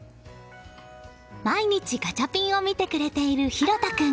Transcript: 毎日ガチャピンを見てくれている大翔君。